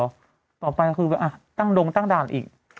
ตาศาสบายคืออ่ะตั้งโดงตั้งด่านอีก